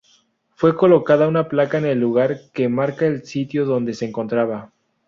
Fue colocada una placa en el lugar que marca el sitio donde se encontraba.